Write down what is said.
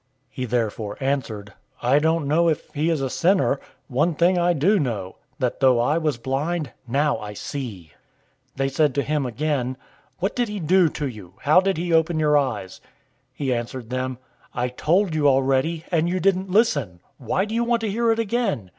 009:025 He therefore answered, "I don't know if he is a sinner. One thing I do know: that though I was blind, now I see." 009:026 They said to him again, "What did he do to you? How did he open your eyes?" 009:027 He answered them, "I told you already, and you didn't listen. Why do you want to hear it again?